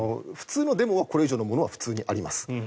普通のデモはこれ以上のものがあります。